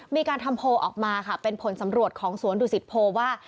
มีการทำโพลออกมาค่ะเป็นผลสำรวจของสวนดุสิตโพว่า